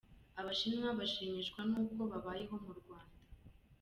Abashinwa bashimishwa n’uko babayeho mu Rwanda